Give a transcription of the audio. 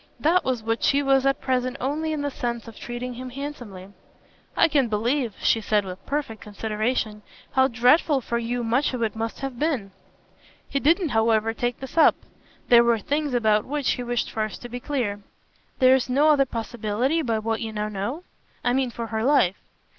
That was what she was at present only in the sense of treating him handsomely. "I can believe," she said with perfect consideration, "how dreadful for you much of it must have been." He didn't however take this up; there were things about which he wished first to be clear. "There's no other possibility, by what you now know? I mean for her life."